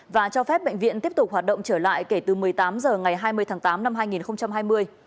và cho phép bệnh viện tiếp tục hoạt động trở lại kể từ một mươi tám h ngày hai mươi tháng tám năm hai nghìn hai mươi